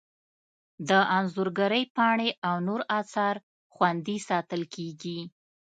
د انځورګرۍ پاڼې او نور اثار خوندي ساتل کیږي.